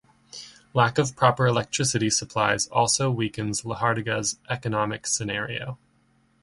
Lack of proper electricity supplies also weakens Lohardaga's economic scenario.